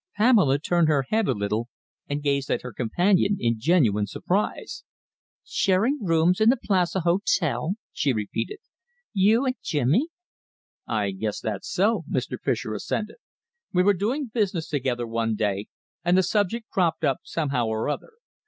Pamela turned her head a little and gazed at her companion in genuine surprise. "Sharing rooms in the Plaza Hotel?" she repeated.... "You and Jimmy?" "I guess that's so," Mr. Fischer assented. "We were doing business together one day, and the subject cropped up somehow or other.